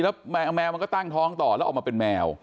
แล้วแมวมันก็ตั้งท้องต่อแล้วออกมาเป็นแมว